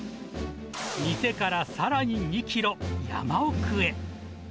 店からさらに２キロ山奥へ。